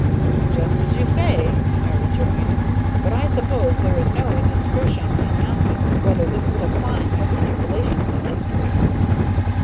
"Just as you say," I rejoined. "But I suppose there is no indiscretion in asking whether this little climb has any relation to the mystery?"